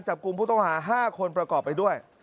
จับกลุ่มผู้ต้องหา๕คนประกอบไปด้วย